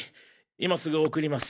今すぐ送ります。